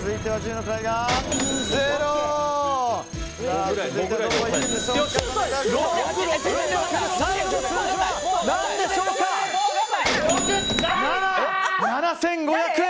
７５００円。